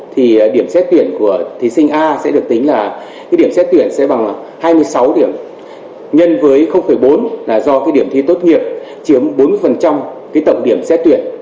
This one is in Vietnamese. thì điểm xét tuyển của thí sinh a sẽ được tính là cái điểm xét tuyển sẽ bằng hai mươi sáu điểm nhân với bốn là do cái điểm thi tốt nghiệp chiếm bốn mươi cái tổng điểm xét tuyển